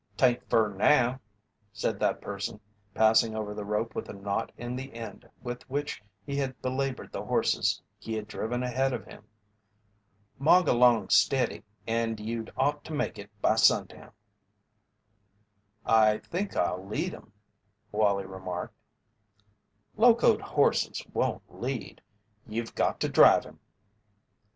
"'Tain't fur now," said that person, passing over the rope with a knot in the end with which he had belaboured the horses he had driven ahead of him. "Mog along stiddy and you'd ought to make it by sundown." "I think I'll lead 'em," Wallie remarked. "Locoed horses won't lead you've got to drive 'em."